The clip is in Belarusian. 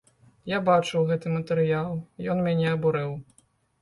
Я бачыў гэты матэрыял, ён мяне абурыў.